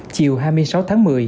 chiều hai mươi sáu tháng một mươi